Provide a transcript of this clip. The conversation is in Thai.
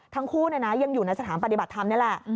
ทั้งคู่ยังอยู่ในสถานปฏิบัติธรรมนี่แหละ